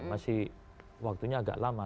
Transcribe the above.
masih waktunya agak lama